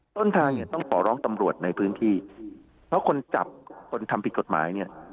ต้นทางเนี่ยต้องขอร้องตำรวจในพื้นที่เพราะคนจับคนทำผิดกฎหมายเนี่ย